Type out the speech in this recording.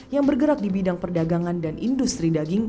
yang bergerak di bidang perdagangan dan industri daging